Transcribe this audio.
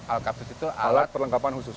al kapit itu alat perlengkapan khusus